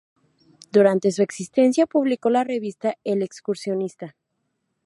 Durante su existencia publicó la revista "El Excursionista".